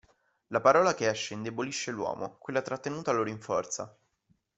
La parola che esce indebolisce l'uomo, quella trattenuta lo rinforza.